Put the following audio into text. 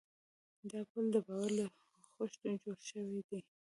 دا پُل د باور له خښتو جوړ شوی دی.